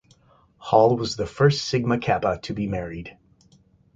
Hall was the first Sigma Kappa to be married.